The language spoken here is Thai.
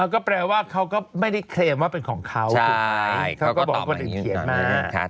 ก็แปลว่าเขาก็ไม่ได้เคลมว่าเป็นของเขาถูกไหมเขาก็บอกว่าคนอื่นเขียนมา